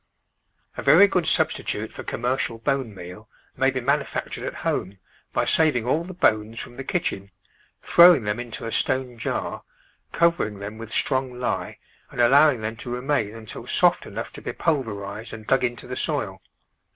A very good substitute for commercial bone meal may be manufactured at home by saving all the bones Digitized by Google 28 The Flower Garden [Chapter from the kitchen, throwing them into a stone jar, covering them with strong lye, and allowing them to remain until soft enough to be pulverised and dug into the soil.